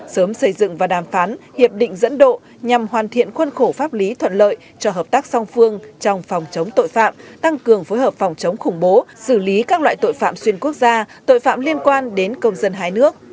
sớm xây dựng và đàm phán hiệp định dẫn độ nhằm hoàn thiện khuân khổ pháp lý thuận lợi cho hợp tác song phương trong phòng chống tội phạm tăng cường phối hợp phòng chống khủng bố xử lý các loại tội phạm xuyên quốc gia tội phạm liên quan đến công dân hai nước